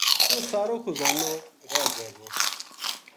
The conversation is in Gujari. یوہ سارو خزانو رہ جائے گو